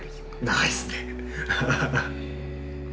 長いですね。